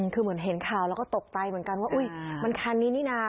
คือเหมือนเห็นข่าวแล้วก็ตกใจเหมือนกันว่าอุ๊ยมันคันนี้นี่นะ